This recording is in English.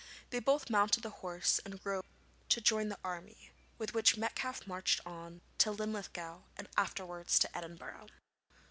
They both mounted the horse and rode to join the army, with which Metcalfe marched on to Linlithgow and afterwards to Edinburgh.